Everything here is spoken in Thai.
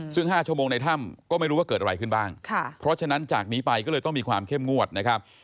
ซึ่ง๕ชั่วโมงในถ้ำก็ไม่รู้ว่าเกิดอะไรขึ้นบ้างเพราะฉะนั้นจากนี้ไปก็เลยต้องมีความเข้มงวดนะครับ